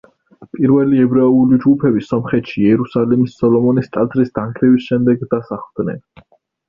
პირველი ებრაული ჯგუფები სომხეთში იერუსალიმის სოლომონის ტაძრის დანგრევის შემდეგ დასახლდნენ.